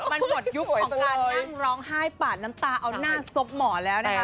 มันหมดยุคของการนั่งร้องไห้ปาดน้ำตาเอาหน้าซบหมอแล้วนะคะ